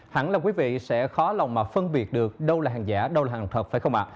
hẳn là quý vị sẽ khó lòng mà phân biệt được đâu là hàng giả đâu là hàng thật phải không ạ